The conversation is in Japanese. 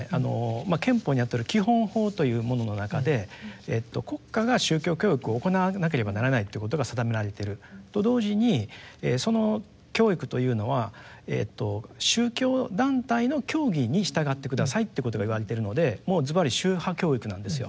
憲法にあたる基本法というものの中で国家が宗教教育を行わなければならないっていうことが定められてると同時にその教育というのは宗教団体の教義に従って下さいっていうことが言われているのでもうずばり宗派教育なんですよ。